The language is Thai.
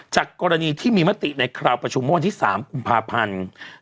จากกรณีที่มีมติในคราวประชุมเมื่อวันที่๓กุมภาพันธ์